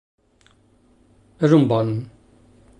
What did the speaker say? És un bon.